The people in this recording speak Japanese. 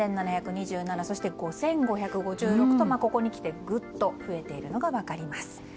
そして、５５５６とここにきて、ぐっと増えているのが分かります。